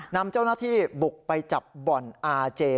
นำเจ้าหน้าที่บุกไปจับบ่อนอาเจ